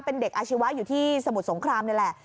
เป็นเด็กอาชีวะอยู่ที่สมุทรสงครามนี่แหละ